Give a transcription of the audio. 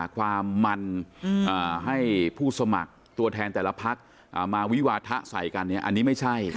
ความมันให้ผู้สมัครตัวแทนแต่ละพักมาวิวาทะใส่กันอันนี้ไม่ใช่